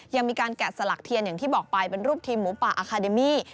ยังมีการแกะสลักเทียนอย่างที่บอกไปเป็นรูปทีมหมูป่าอาคาเดมี่